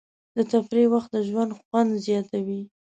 د تفریح وخت د ژوند خوند زیاتوي.